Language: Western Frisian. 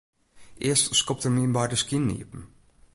Earst skopt er myn beide skinen iepen.